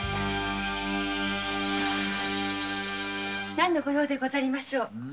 何の御用でござりましょう？